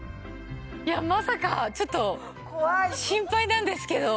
いやまさかちょっと心配なんですけど。